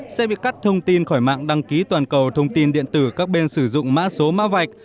sẽ bị cắt thông tin khỏi mạng đăng ký toàn cầu thông tin điện tử các bên sử dụng mã số mã vạch